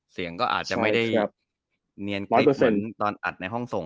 เสียงก็อาจจะไม่ได้เนียนกริ๊บเหมือนตอนอัดในห้องส่ง